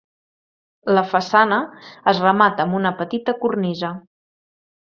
La façana es remata amb una petita cornisa.